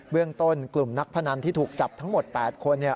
เรื่องต้นกลุ่มนักพนันที่ถูกจับทั้งหมด๘คน